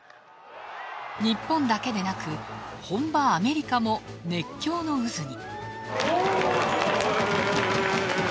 日本だけでなく、本場アメリカも熱狂の渦に。